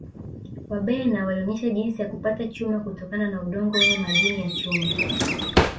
Wabena walionesha jinsi ya kupata chuma kutokana na udongo wenye madini ya chuma